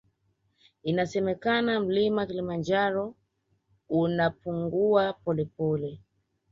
Inasemekana mlima kilimanjaro unapungua polepole